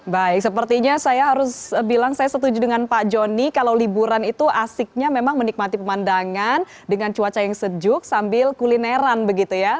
baik sepertinya saya harus bilang saya setuju dengan pak joni kalau liburan itu asiknya memang menikmati pemandangan dengan cuaca yang sejuk sambil kulineran begitu ya